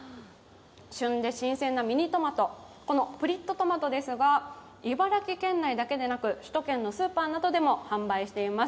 旬で新鮮なミニトマトプリッとトマトですが茨城県内だけでなく首都圏のスーパーなどでも販売しています。